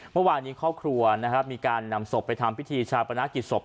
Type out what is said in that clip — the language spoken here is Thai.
เมื่อวานนี้ครอบครัวนะครับมีการนำศพไปทำพิธีชาปนากิจศพ